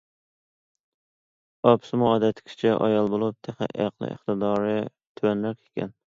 ئاپىسىمۇ ئادەتتىكىچە ئايال بولۇپ، تېخى ئەقلى ئىقتىدارى تۆۋەنرەك ئىكەن.